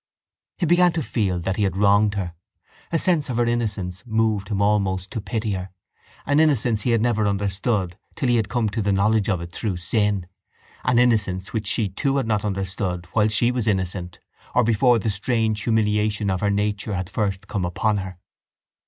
He began to feel that he had wronged her. A sense of her innocence moved him almost to pity her, an innocence he had never understood till he had come to the knowledge of it through sin, an innocence which she too had not understood while she was innocent or before the strange humiliation of her nature had first come upon her.